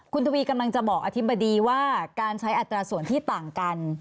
คุณทวีกำลังจะบอกอธิบดีว่าการใช้อัตราส่วนที่ต่างกัน